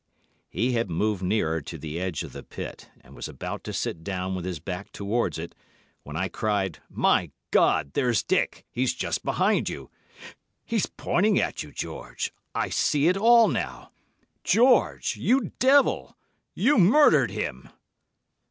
"He had moved nearer to the edge of the pit, and was about to sit down with his back towards it, when I cried, 'My God! There's Dick! He's just behind you. He's pointing at you, George. I see it all now! George, you devil—you murdered him!